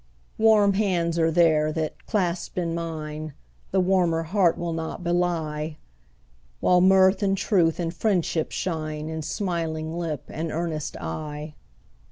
Warm hands are there, that, clasped in mine, The warmer heart will not belie; While mirth, and truth, and friendship shine In smiling lip and earnest eye.